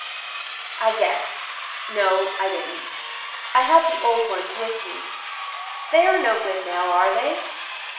"I guessed, no, I didn't, I had the old ones with me; they are no good now, are they?"